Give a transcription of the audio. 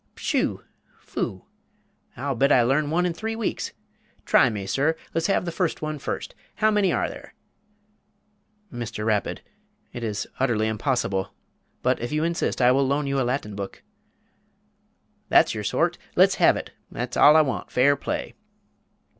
"Pshoo! foo! I'll bet I larn one in three weeks! Try me, sir, let's have the furst one furst how many are there?" "Mr. Rapid, it is utterly impossible; but if you insist, I will loan you a Latin book " "That's your sort, let's have it, that's all I want, fair play."